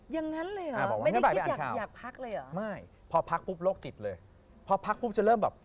อย่างนั้นเลยหรอไม่ได้คิดอยากพักเลยหรอ